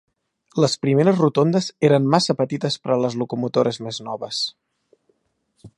Les primeres rotondes eren massa petites per a les locomotores més noves.